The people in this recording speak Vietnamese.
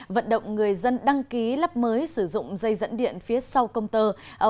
vận động người dân đăng ký lắp mới sử dụng dây dẫn điện phía sau công tơ